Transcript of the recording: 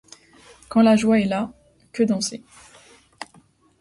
Quand la joie est là, que danser ?